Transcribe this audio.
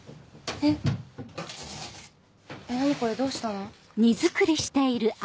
えっ何これどうしたの？